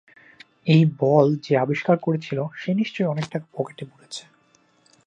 এই বল যে আবিষ্কার করেছিল, সে নিশ্চয়ই অনেক টাকা পকেটে পুরেছে।